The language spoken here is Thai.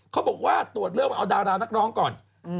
เขาบอกว่าตรวจเริ่มเอาดารานักร้องก่อน